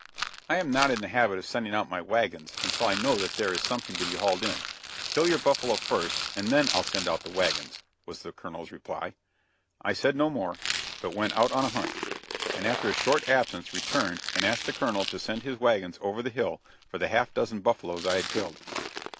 "I am not in the habit of sending out my wagons until I know that there is something to be hauled in; kill your buffalo first and then I'll send out the wagons," was the Colonel's reply. I said no more, but went out on a hunt, and after a short absence returned and asked the Colonel to send his wagons over the hill for the half dozen buffaloes I had killed.